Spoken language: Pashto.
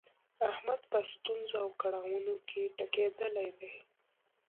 احمد په ستونزو او کړاونو کې ټکېدلی دی.